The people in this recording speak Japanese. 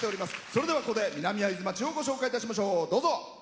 それでは、ここで南会津町をご紹介いたしましょう。